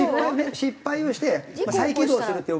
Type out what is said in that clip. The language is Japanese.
失敗をして再起動するっていう。